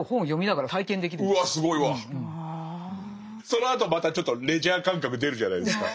そのあとまたちょっとレジャー感覚出るじゃないですか。